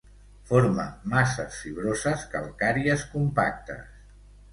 Forma masses fibroses calcàries compactes.